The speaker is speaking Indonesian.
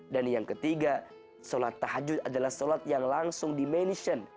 dan yang ketiga sholat tahajud adalah sholat yang langsung dimention